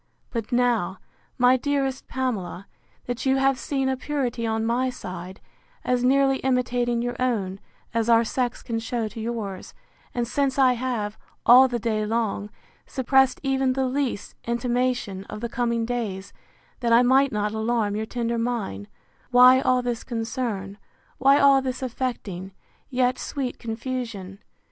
—But now, my dearest Pamela, that you have seen a purity on my side, as nearly imitating your own, as our sex can shew to yours; and since I have, all the day long, suppressed even the least intimation of the coming days, that I might not alarm your tender mind; why all this concern, why all this affecting, yet sweet confusion?